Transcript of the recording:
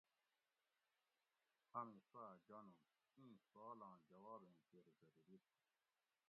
امی سوا جانُوگ اِیں سوال آں جواب ایں کیر ضروری تھُو